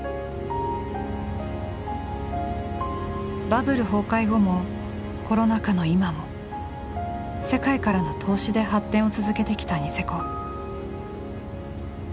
バブル崩壊後もコロナ禍の今も世界からの投資で発展を続けてきたニセコ。